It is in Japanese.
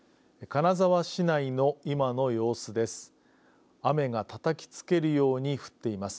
金沢市内の今の様子です。